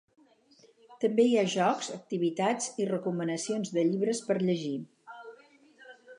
També hi ha jocs, activitats i recomanacions de llibres per llegir.